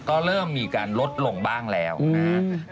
ก็เริ่มมีการลดลงบ้างแล้วนะครับ